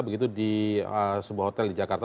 begitu di sebuah hotel di jakarta